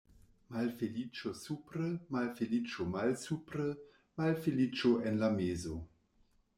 Malfeliĉo supre, malfeliĉo malsupre, malfeliĉo en la mezo.